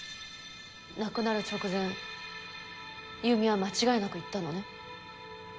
亡くなる直前優美は間違いなく言ったのね？